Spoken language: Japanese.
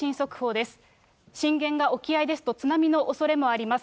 震源が沖合ですと、津波のおそれもあります。